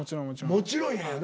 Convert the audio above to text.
もちろんやよな。